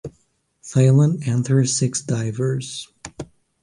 Thailand entered six divers.